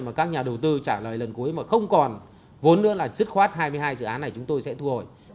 mà các nhà đầu tư trả lời lần cuối mà không còn vốn nữa là dứt khoát hai mươi hai dự án này chúng tôi sẽ thu hồi